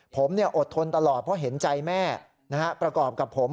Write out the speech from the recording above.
ผมอดทนตลอดเพราะเห็นใจแม่ประกอบกับผม